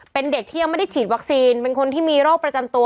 เป็นเด็กที่ยังไม่ได้ฉีดวัคซีนเป็นคนที่มีโรคประจำตัว